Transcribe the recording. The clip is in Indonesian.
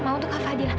mau untuk kak fadila